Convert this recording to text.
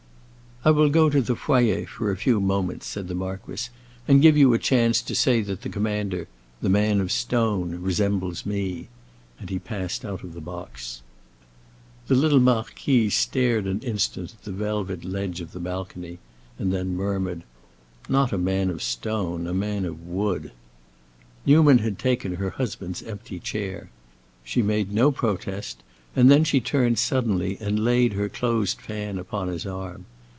"I will go to the foyer for a few moments," said the marquis, "and give you a chance to say that the commander—the man of stone—resembles me." And he passed out of the box. The little marquise stared an instant at the velvet ledge of the balcony, and then murmured, "Not a man of stone, a man of wood." Newman had taken her husband's empty chair. She made no protest, and then she turned suddenly and laid her closed fan upon his arm.